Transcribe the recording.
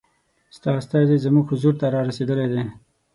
ستا استازی زموږ حضور ته را رسېدلی دی.